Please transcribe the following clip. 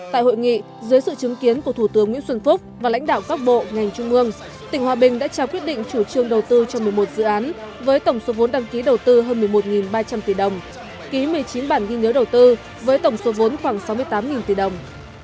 tại hội nghị dưới sự chứng kiến của thủ tướng nguyễn xuân phúc và lãnh đạo các bộ ngành trung ương tỉnh hòa bình đã trao quyết định chủ trương đầu tư cho một mươi một dự án với tổng số vốn đăng ký đầu tư hơn một mươi một ba trăm linh tỷ đồng ký một mươi chín bản ghi nhớ đầu tư với tổng số vốn khoảng sáu mươi tám tỷ đồng